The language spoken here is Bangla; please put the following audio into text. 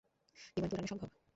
বিমান কি উড়ানো সম্ভব?